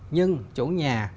nhưng chủ nhà có thông báo